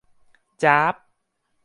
จ๊าบ !